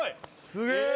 すげえ！